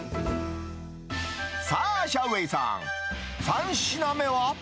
さあ、シャウ・ウェイさん、３品目は？